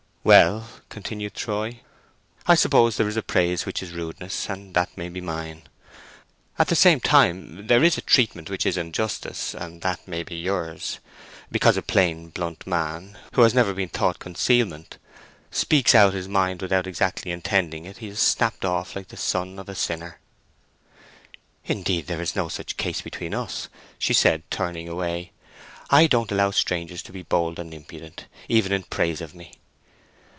"Well," continued Troy, "I suppose there is a praise which is rudeness, and that may be mine. At the same time there is a treatment which is injustice, and that may be yours. Because a plain blunt man, who has never been taught concealment, speaks out his mind without exactly intending it, he's to be snapped off like the son of a sinner." "Indeed there's no such case between us," she said, turning away. "I don't allow strangers to be bold and impudent—even in praise of me."